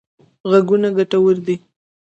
غوږونه ګټور دي.